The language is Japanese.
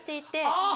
あぁ！